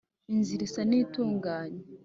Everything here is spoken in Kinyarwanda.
Inzira isa n itunganye